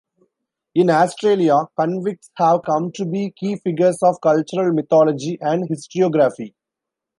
In Australia, convicts have come to be key figures of cultural mythology and historiography.